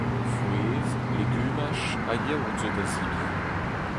Frouezh, legumaj ha yaourt zo da zebriñ.